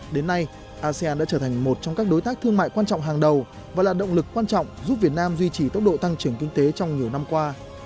đến nay asean đã trở thành một trong các đối tác thương mại quan trọng hàng đầu và là động lực quan trọng giúp việt nam duy trì tốc độ tăng trưởng kinh tế trong nhiều năm qua